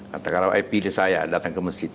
katakanlah saya pilih saya datang ke masjid